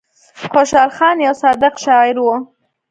خوشال خان يو صادق شاعر وو ـ